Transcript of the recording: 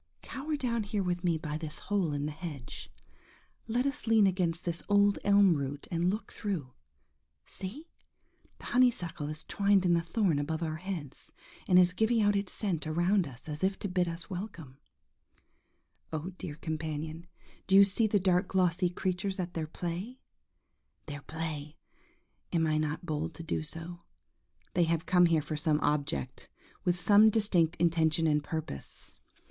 Cower down here with me by this hole in the hedge;–let us lean against this old elm root and look through. See! the honeysuckle is twined in the thorn above our heads, and is giving out its scent around us, as if to bid us we1come Oh, dear companion, do you see the dark glossy creatures at their play? Their play? am I not bold to do so? They have come here for some object,–with some distinct intention and purpose.